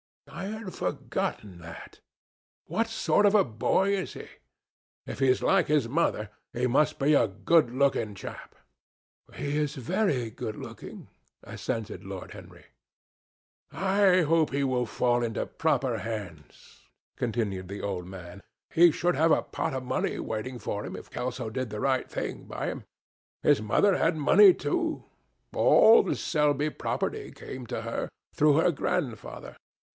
I had forgotten that. What sort of boy is he? If he is like his mother, he must be a good looking chap." "He is very good looking," assented Lord Henry. "I hope he will fall into proper hands," continued the old man. "He should have a pot of money waiting for him if Kelso did the right thing by him. His mother had money, too. All the Selby property came to her, through her grandfather.